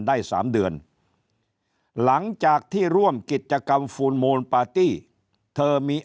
ได้๓เดือนหลังจากที่ร่วมกิจกรรมฟูลโมนปาร์ตี้เธอมี